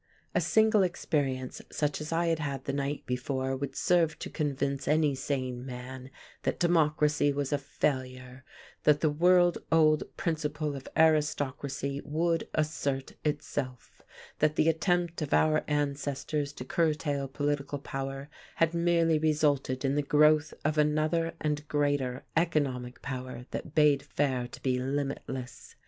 A single experience such as I had had the night before would since to convince any sane man that democracy was a failure, that the world old principle of aristocracy would assert itself, that the attempt of our ancestors to curtail political power had merely resulted in the growth of another and greater economic power that bade fair to be limitless.